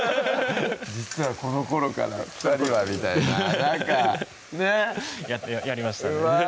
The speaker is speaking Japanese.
「実はこのころから２人は」みたいななんかねっやりましたうわ